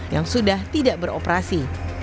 yang sudah tidak beroperasi